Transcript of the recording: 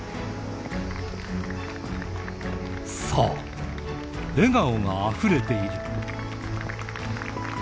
そう、笑顔があふれている。